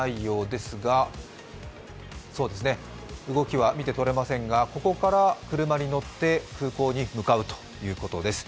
まだ動きは見て取れませんがここから車に乗って空港に向かうということです。